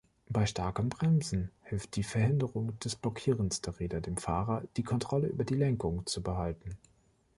Bei starkem Bremsen hilft die Verhinderung des Blockierens der Räder dem Fahrer, die Kontrolle über die Lenkung zu behalten.